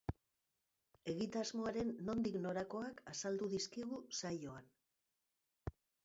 Egitasmoaren nondik norakoak azaldu dizkigu saioan.